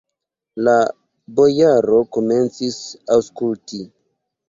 La bojaro komencis aŭskulti.